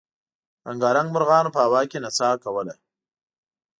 رنګارنګ مرغانو په هوا کې نڅا کوله.